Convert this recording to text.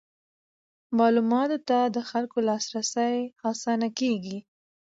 معلوماتو ته د خلکو لاسرسی اسانه کیږي.